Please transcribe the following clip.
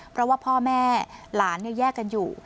เพราะว่าพ่อแม่หลานแยกกันอยู่